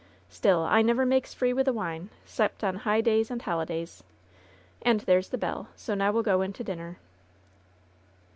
Still I never makes free with the wine, 'cept on high days and holi days. And there's the bell, so now we'll go in to dinner."